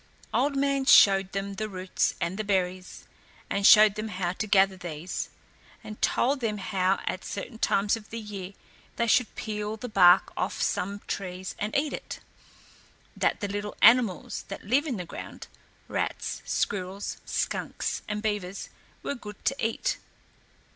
Old Man showed them the roots and the berries, and showed them how to gather these, and told them how at certain times of the year they should peel the bark off some trees and eat it; that the little animals that live in the ground rats, squirrels, skunks, and beavers were good to eat.